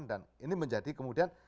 dan ini menjadi kemudian